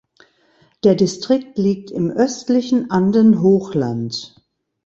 Der Distrikt liegt im östlichen Andenhochland.